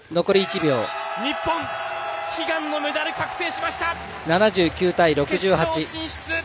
日本悲願のメダル、確定しました！